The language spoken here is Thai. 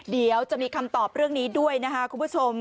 เดี๋ยวจะมีคำตอบเรื่องนี้ด้วยนะคะคุณผู้ชม